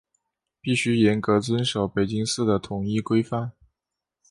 必须严格遵守北京市的统一规范